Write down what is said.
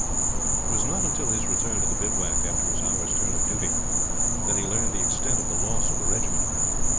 It was not until his return to the bivouac, after his hour's turn of duty, that he learned the extent of the loss of the regiment.